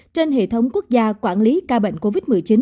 trên hệ thống quốc gia quản lý ca bệnh covid một mươi chín